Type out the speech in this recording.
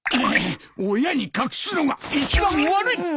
親に隠すのが一番悪い！